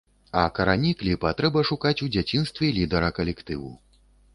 А карані кліпа трэба шукаць у дзяцінстве лідара калектыву.